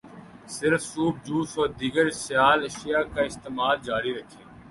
صرف soup, juice, اور دیگر سیال اشیاء کا استعمال جاری رکھیں